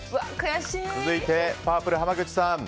続いてパープル、濱口さん。